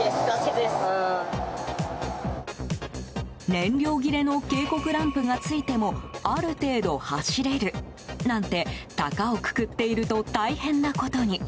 燃料切れの警告ランプがついてもある程度走れるなんて高をくくっていると大変なことに。